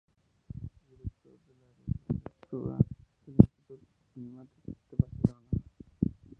Director del Área de Literatura del Institut d´Humanitats de Barcelona.